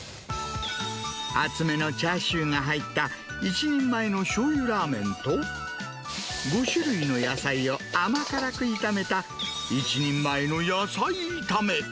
厚めのチャーシューが入った１人前の醤油ラーメンと、５種類の野菜を甘辛く炒めた１人前の野菜炒め。